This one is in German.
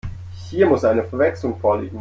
Hier muss eine Verwechslung vorliegen.